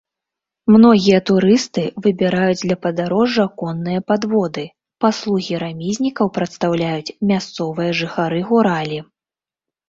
Многія турысты выбіраюць для падарожжа конныя падводы, паслугі рамізнікаў прадастаўляюць мясцовыя жыхары гуралі.